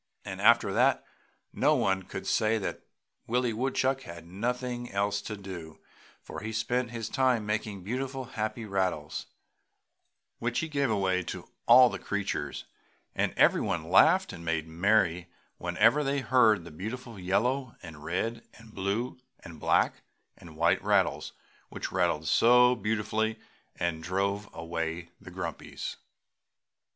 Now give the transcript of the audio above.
And after that no one could say that Willie Woodchuck had nothing else to do, for he spent his time making beautiful "happy rattles" which he gave away to all the creatures, and everyone laughed and made merry whenever they heard the beautiful yellow and red and blue and black and white rattles which rattled so beautifully and drove away the grumpies.